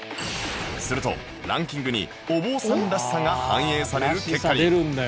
するとランキングにお坊さんらしさが反映される結果に